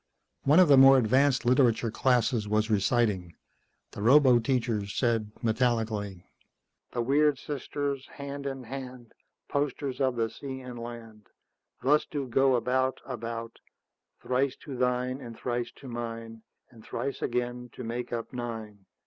One of the more advanced literature classes was reciting. The roboteacher said metallically, "_The weird sisters, hand in hand, Posters of the sea and land, Thus do go about, about: Thrice to thine, and thrice to mine, And thrice again, to make up nine.